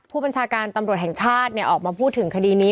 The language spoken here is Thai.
ผู้บัญชาการตำรวจแห่งชาติออกมาพูดถึงคดีนี้